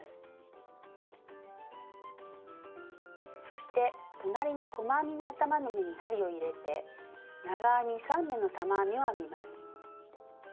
そして隣の細編みの頭の目に針を入れて長編み３目の玉編みを編みます。